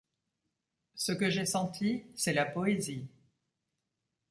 Ce que j’ai senti, c’est la poésie.